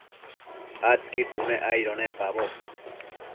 Adquid bunec aido nepaboc